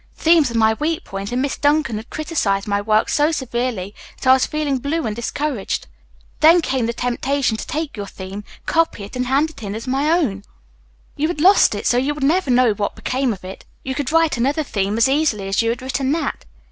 Themes are my weak point, and Miss Duncan had criticised my work so severely that I was feeling blue and discouraged. Then came the temptation to take your theme, copy it, and hand it in as my own. You had lost it, so you would never know what became of it. You could write another theme as easily as you had written that.